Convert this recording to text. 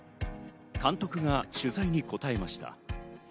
監督が取材に答えました。